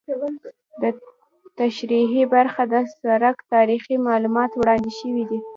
په تشریحي برخه کې د سرک تاریخي معلومات وړاندې شوي دي